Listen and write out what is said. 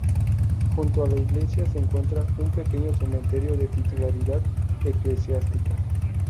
Junto a la iglesia se encuentra un pequeño cementerio de titularidad eclesiástica.